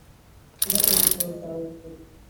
shira ibitabo byawe kure